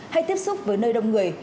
hay tiếp xúc với nơi đông người